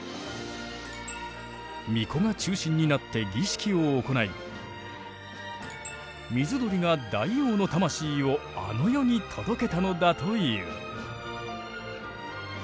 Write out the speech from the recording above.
巫女が中心になって儀式を行い水鳥が大王の魂をあの世に届けたのだという。